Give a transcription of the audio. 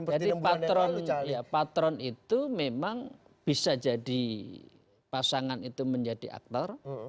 jadi patron itu memang bisa jadi pasangan itu menjadi aktor